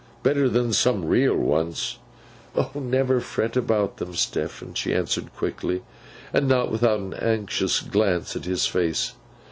Better than some real ones.' 'Never fret about them, Stephen,' she answered quickly, and not without an anxious glance at his face.